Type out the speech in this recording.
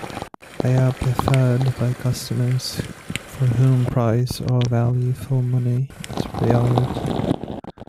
They are preferred by customers for whom price or value-for-money is the priority.